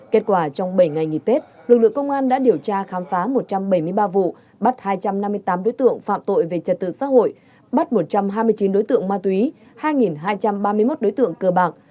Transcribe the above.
kết quả trong bảy ngày nghỉ tết lực lượng công an đã điều tra khám phá một trăm bảy mươi ba vụ bắt hai trăm năm mươi tám đối tượng phạm tội về trật tự xã hội bắt một trăm hai mươi chín đối tượng ma túy hai hai trăm ba mươi một đối tượng cơ bạc